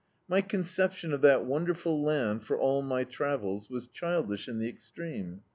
My conception of that wonderful land, for all my travels, was childish in the extreme.